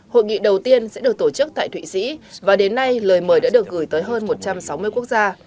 hội nghị đầu tiên sẽ được tổ chức tại thụy sĩ và đến nay lời mời đã được gửi tới hơn một trăm sáu mươi quốc gia